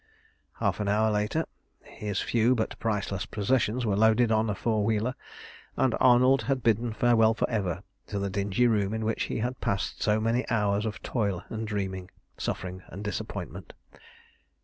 Half an hour later his few but priceless possessions were loaded on a four wheeler and Arnold had bidden farewell for ever to the dingy room in which he had passed so many hours of toil and dreaming, suffering and disappointment.